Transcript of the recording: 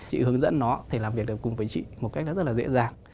chị hướng dẫn nó để làm việc cùng với chị một cách rất là dễ dàng